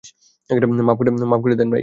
মাফ করে দেন, ভাই।